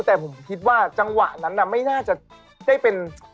แต่ผมคิดว่าจังหวะนั้นไม่น่าจะได้เป็น